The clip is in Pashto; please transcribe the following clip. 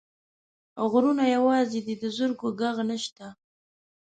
غرونه یوازي دي، د زرکو ږغ نشته